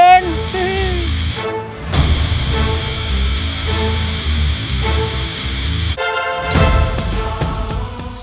mending lupa aden